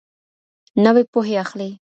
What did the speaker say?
نوي پوهي اخلي